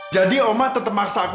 jadi oma tetap maksa aku